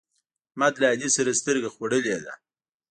احمد له علي سره سترګه خوړلې ده.